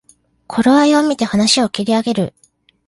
頃合いをみて話を切り上げる